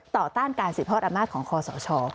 ต่อต้านการสิทธิภอดอัมมาตย์ของคอสช